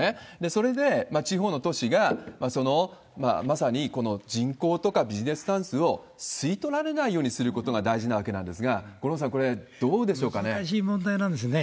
それで地方の都市がそのまさにこの人口とかビジネス関数を吸い取られないようにすることが大事なわけなんですが、五郎さん、これ、難しい問題なんですよね。